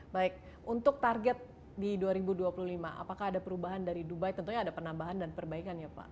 baik untuk target di dua ribu dua puluh lima apakah ada perubahan dari dubai tentunya ada penambahan dan perbaikan ya pak